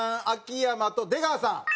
秋山と出川さん。